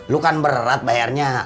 lo kan berat bayarnya